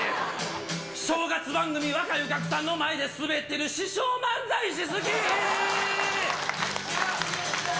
正月番組、若いお客さんの前で滑ってる師匠漫才師、好き。